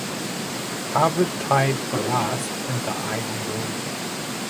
Harvard tied for last in the Ivy League.